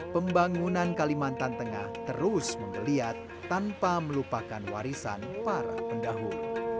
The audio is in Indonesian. pembangunan kalimantan tengah terus menggeliat tanpa melupakan warisan para pendahulu